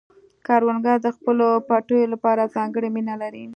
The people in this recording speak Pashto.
کروندګر د خپلو پټیو لپاره ځانګړې مینه لري